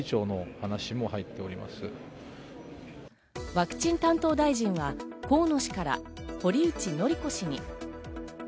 ワクチン担当大臣は河野氏から堀内詔子氏に。